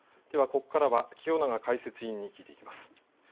ここからは清永解説委員に聞いていきます。